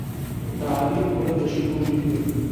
د علي خوله د شیدو بوی کوي.